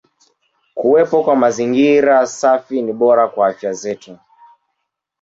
Kuwepo kwa mazingira safi ni bora kwa afya zetu.